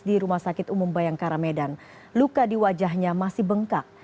di rumah sakit umum bayangkara medan luka di wajahnya masih bengkak